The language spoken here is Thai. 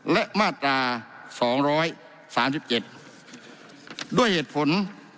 และมาตราสองร้อยสามสิบเจ็ดด้วยเหตุผล